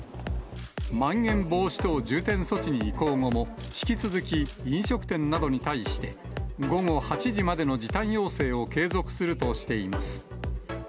まん延防止等重点措置に移行後も引き続き飲食店などに対して、午後８時までの時短要請を継続するとしています。